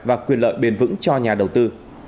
và quyền lợi bền vững cho nhà đầu tư